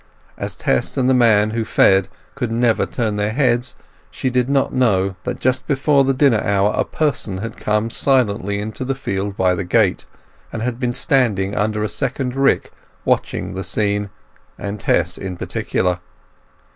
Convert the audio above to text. As Tess and the man who fed could never turn their heads she did not know that just before the dinner hour a person had come silently into the field by the gate, and had been standing under a second rick watching the scene and Tess in particular.